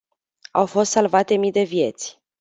Au fost salvate mii de vieți.